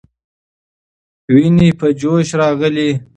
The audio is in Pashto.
ويني په جوش راغلې.